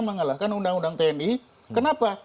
mengalahkan undang undang tni kenapa